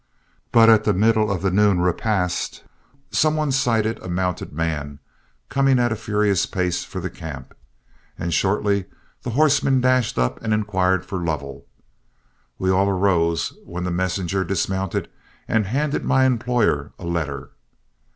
But near the middle of the noon repast, some one sighted a mounted man coming at a furious pace for the camp, and shortly the horseman dashed up and inquired for Lovell. We all arose, when the messenger dismounted and handed my employer a letter.